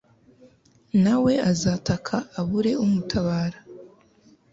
na we azataka abure umutabara